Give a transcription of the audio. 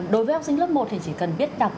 đối với học sinh lớp một thì chỉ cần biết đọc